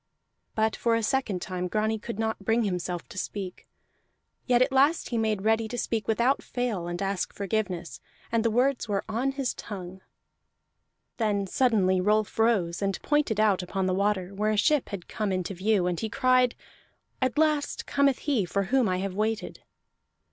But for a second time Grani could not bring himself to speak. Yet at last he made ready to speak without fail and ask forgiveness, and the words were on his tongue. Then suddenly Rolf rose, and pointed out upon the water, where a ship had come into view; and he cried, "At last cometh he for whom I have waited!"